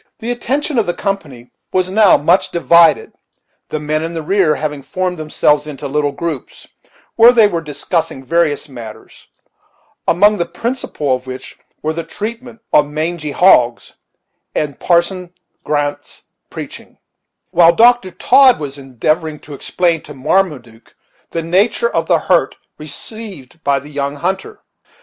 The attention of the company was now much divided, the men in the rear having formed themselves into little groups, where they were discussing various matters; among the principal of which were the treatment of mangy hogs and Parson Grant's preaching; while Dr. Todd was endeavoring to explain to Marmaduke the nature of the hurt received by the young hunter.